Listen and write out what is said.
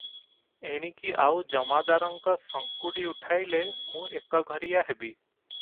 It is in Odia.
ଏଣିକି ଆଉ ଜମାଦାରଙ୍କ ସଙ୍କୁଡି ଉଠାଇଲେ ମୁଁ ଏକଘରିଆ ହେବି ।